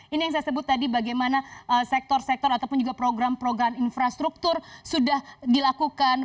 ini yang saya sebut tadi bagaimana sektor sektor ataupun juga program program infrastruktur sudah dilakukan